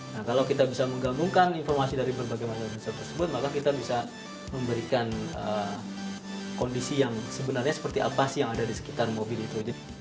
nah kalau kita bisa menggabungkan informasi dari berbagai macam tersebut maka kita bisa memberikan kondisi yang sebenarnya seperti apa sih yang ada di sekitar mobil itu